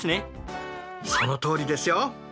そのとおりですよ！